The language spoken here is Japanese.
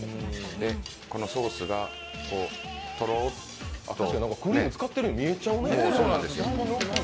このソースがとろっと確かにクリーム使ってるように見えてくるね。